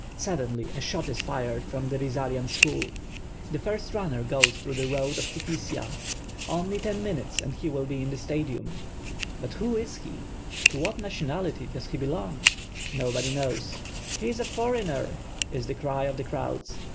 Suddenly a shot is fired from the Rizarian School. The first runner goes through the road of Kifissia. Only ten minutes and he will be into the Stadium. But who is he? To what nationality does he belong? Nobody knows. "He is a for eigner," is the cry of the crowds.